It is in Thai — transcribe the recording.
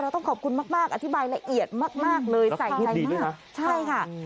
เราต้องขอบคุณมากอธิบายละเอียดมากเลยใส่ใจมากรักษาธิบดีดด้วยคะใช่ค่ะ